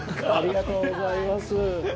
ありがとうございます。